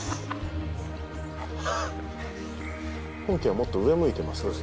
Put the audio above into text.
本家はもっと上向いてます。